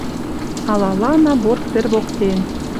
Алалана борт тӹр воктен